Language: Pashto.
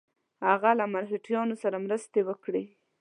هغه له مرهټیانو سره مرستې وکړي.